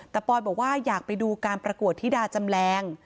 แต่ปอยบอกว่าอยากไปดูการประกวดธิดาจำแรง